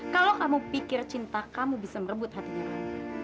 kalau kamu pikir cinta kamu bisa merebut hatinya